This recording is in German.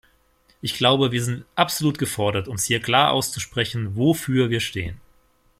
Ich glaube, wir sind absolut gefordert, uns hier klar auszusprechen, wofür wir stehen.